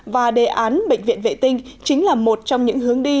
và đề án bệnh viện vệ tinh chính là một trong những hướng đi